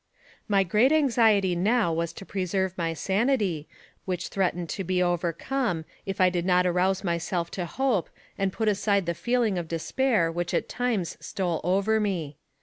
My great anxiety now was to preserve my sanity, which threatened to be overcome if I did not arouse myself to hope, and put aside the feeling of despair which at times stole over me.